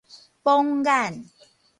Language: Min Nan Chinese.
榜眼